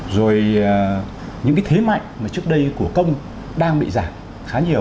rồi những cái thế mạnh mà trước đây của công đang bị giảm khá nhiều